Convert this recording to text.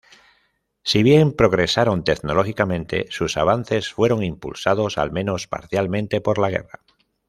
Si bien progresaron tecnológicamente, sus avances fueron impulsados, al menos parcialmente, por la guerra.